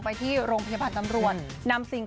ไปที่โรงพยาบาลตำรวจ